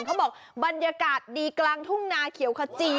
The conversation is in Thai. เขาบอกบรรยากาศดีกลางทุ่งนาเขียวขจี